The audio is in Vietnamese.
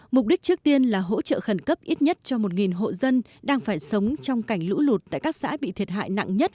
mục đích trước tiên là hỗ trợ khẩn cấp ít nhất cho một hộ dân đang phải sống trong cảnh lũ lụt tại các xã bị thiệt hại nặng nhất